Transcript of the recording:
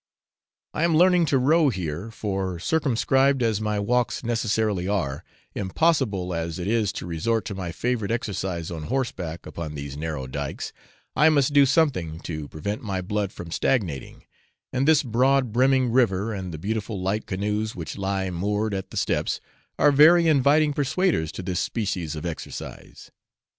I am learning to row here, for, circumscribed as my walks necessarily are, impossible as it is to resort to my favourite exercise on horseback upon these narrow dykes, I must do something to prevent my blood from stagnating; and this broad brimming river, and the beautiful light canoes which lie moored, at the steps, are very inviting persuaders to this species of exercise.